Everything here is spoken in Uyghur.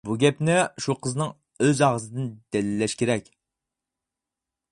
بۇ گەپنى شۇ قىزنىڭ ئۆز ئاغزىدىن دەلىللەش كېرەك.